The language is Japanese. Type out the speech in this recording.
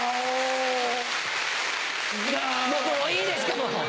もういいですかもう！